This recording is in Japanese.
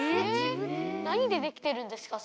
何で出来てるんですか？